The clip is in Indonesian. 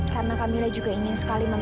karena camilla juga ingin sekali membantu